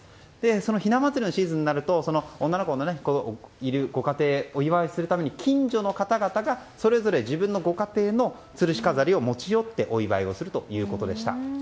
その雛祭りのシーズンになると女の子がいるご家庭お祝いするために近所の方々が、それぞれ自分のご家庭のつるし飾りを持ち寄ってお祝いするということでした。